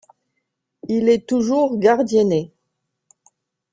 Il est toujours gardienné.